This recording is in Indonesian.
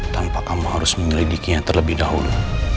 tanpa kamu harus menyelidikinya terlebih dahulu